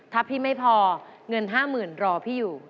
ถ้าพี่ไม่พอเงิน๕๐๐๐รอพี่อยู่